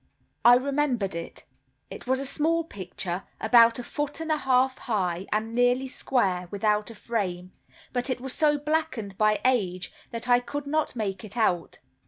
I remembered it; it was a small picture, about a foot and a half high, and nearly square, without a frame; but it was so blackened by age that I could not make it out.